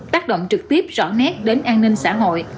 tác động trực tiếp rõ nét đến an ninh xã hội